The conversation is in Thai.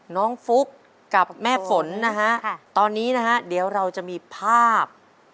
ฟุ๊กกับแม่ฝนนะฮะตอนนี้นะฮะเดี๋ยวเราจะมีภาพ